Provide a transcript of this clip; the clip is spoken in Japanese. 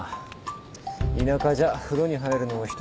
田舎じゃ風呂に入るのも一苦労だ。